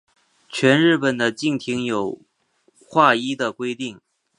全日本的竞艇有划一的规定。